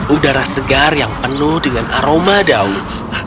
udara segar yang penuh dengan aroma daun